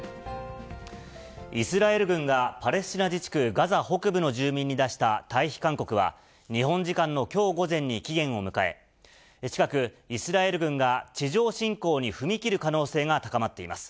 イスラエル軍がパレスチナ自治区ガザ北部の住民に出した退避勧告は、日本時間のきょう午前に期限を迎え、近く、イスラエル軍が地上侵攻に踏み切る可能性が高まっています。